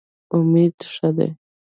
امید ښه دی.